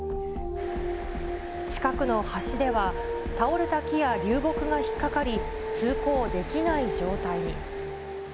近くの橋では、倒れた木や流木が引っ掛かり、通行できない状態に。